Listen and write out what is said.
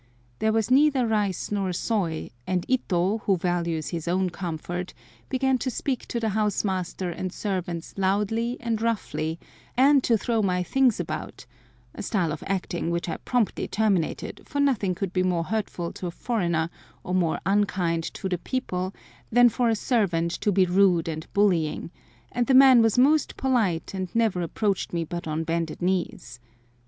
There was neither rice nor soy, and Ito, who values his own comfort, began to speak to the house master and servants loudly and roughly, and to throw my things about—a style of acting which I promptly terminated, for nothing could be more hurtful to a foreigner, or more unkind to the people, than for a servant to be rude and bullying; and the man was most polite, and never approached me but on bended knees.